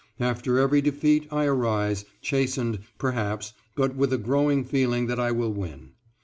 After every defeat I arise, chastened, perhaps, but with a growing feeling that I will win.